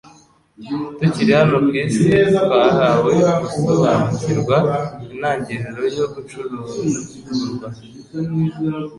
Tukiri hano ku isi twahawe gusobanukirwa intangiriro yo gucurugurwa,